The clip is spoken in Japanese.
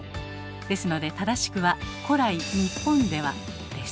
ですので正しくは「古来日本では」です。